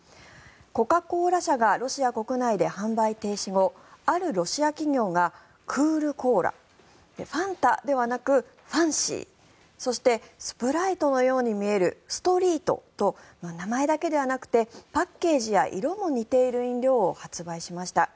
コカ・コーラ社がロシア国内で販売停止後あるロシア企業がクールコーラファンタではなくファンシーそしてスプライトのように見えるストリートと名前だけではなくてパッケージや色も似ている飲料を発売しました。